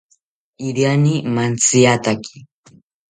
Iriani mantziataki